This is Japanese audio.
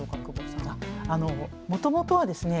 もともとはですね